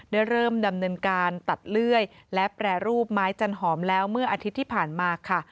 ได้เริ่มดำเนินการตัดเลื่อยและแปรรูปไม้จันหอมแล้วเมื่ออาทิตย์ที่ผ่านมาค่ะ